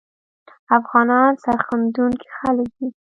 افغانان سرښندونکي خلګ دي